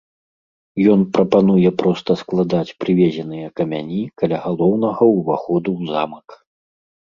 Ён прапануе проста складаць прывезеныя камяні каля галоўнага ўваходу ў замак.